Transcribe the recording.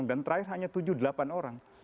dan terakhir hanya tujuh delapan orang